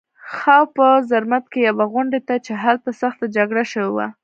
خاوو په زرمت کې یوه غونډۍ ده چې هلته سخته جګړه شوې وه